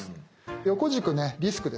横軸ねリスクです。